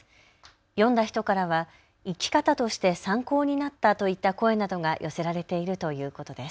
読んだ人からは生き方として参考になったといった声などが寄せられているということです。